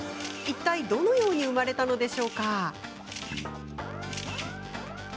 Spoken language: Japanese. いったい、どのように生まれたのでしょうか？